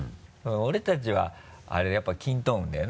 俺たちはあれやっぱり筋斗雲だよな。